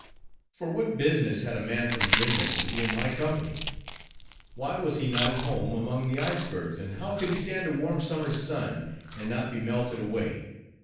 For what business had a man from Greenland to be in my company? Why was he not at home among the icebergs, and how could he stand a warm summer's sun, and not be melted away?